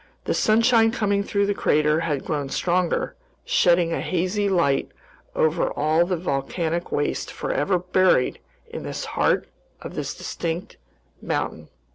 The sunshine coming through the crater had grown stronger, shedding a hazy light over all the volcanic waste forever buried in the heart of this extinct mountain.